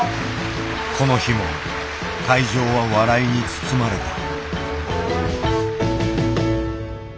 この日も会場は笑いに包まれた。